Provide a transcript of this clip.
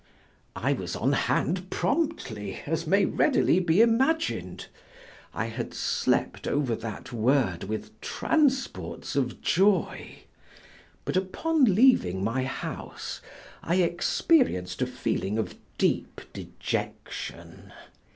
I was on hand promptly, as may readily be imagined. I had slept over that word with transports of joy; but, upon leaving my house, I experienced a feeling of deep dejection.